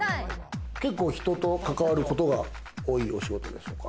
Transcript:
結構、人と関わることが多いお仕事ですか？